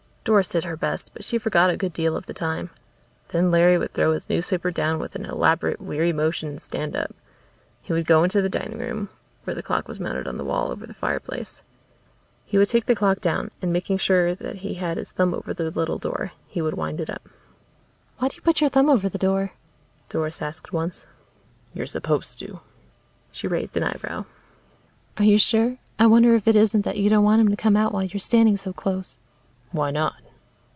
Doris did her best, but she forgot a good deal of the time. Then Larry would throw his newspaper down with an elaborate weary motion and stand up. He would go into the dining room where the clock was mounted on the wall over the fireplace. He would take the clock down and making sure that he had his thumb over the little door, he would wind it up. "Why do you put your thumb over the door?" Doris asked once. "You're supposed to." She raised an eyebrow. "Are you sure? I wonder if it isn't that you don't want him to come out while you're standing so close." "Why not?"